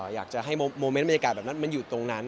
อยากจะให้โมเมนต์บรรยากาศแบบนั้นมันอยู่ตรงนั้น